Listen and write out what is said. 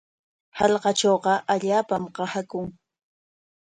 Hallqatrawqa allaapam qasaakun.